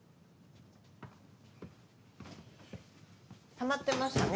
たまってましたね。